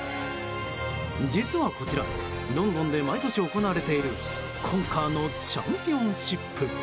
実は、こちらロンドンで毎年行われているコンカーのチャンピオンシップ。